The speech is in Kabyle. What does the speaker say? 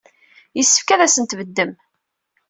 Yessefk ad asen-tbeddem.